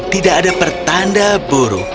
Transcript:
tidak ada pertanda buruk